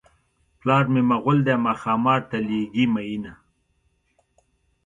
پلار مې مغل دی ما ښامار ته لېږي مینه.